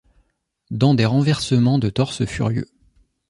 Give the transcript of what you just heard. Dans des renversements de torses furieux.